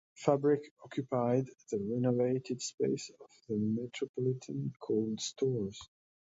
Fabric occupied the renovated space of the Metropolitan Cold Stores.